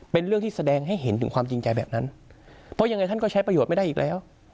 เป็นเรื่องที่แสดงให้เห็นถึงความจริงใจแบบนั้นเพราะยังไงท่านก็ใช้ประโยชน์ไม่ได้อีกแล้ว